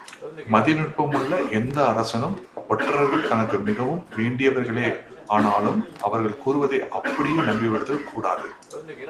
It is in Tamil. மதிநுட்பமுள்ள எந்த அரசனும், ஒற்றர்கள் தனக்கு மிகவும் வேண்டியவர்களே ஆனாலும் அவர்கள் கூறுவதை அப்படியே நம்பிவிடுதல் கூடாது.